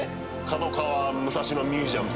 角川武蔵野ミュージアム